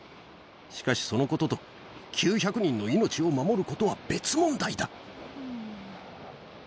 しかしそのことと、９００人の命を守ることは別問題だ。